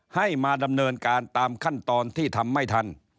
ให้มาดำเนินการตามขั้นตอนที่ทำไม่ทัน